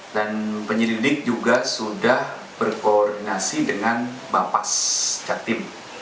dan penyidik juga sudah berkoordinasi dengan bapak catim